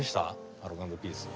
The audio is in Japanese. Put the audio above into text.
アルコ＆ピース。